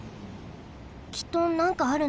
きっとなんかあるんだ。